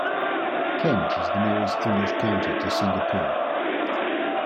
Kent is the nearest English county to Singapore.